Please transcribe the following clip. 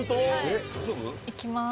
行きます。